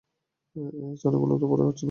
এই ছানাগুলা তো বড়ই হচ্ছে না।